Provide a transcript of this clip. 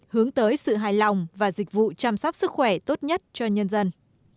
hướng tới sự hài lòng và dịch vụ chăm sóc sức khỏe tốt nhất cho nhân dân